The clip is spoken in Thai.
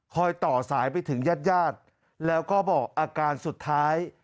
ต่อสายไปถึงญาติญาติแล้วก็บอกอาการสุดท้าย